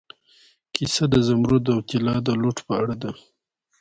کیسه د زمرد او طلا د لوټ په اړه ده.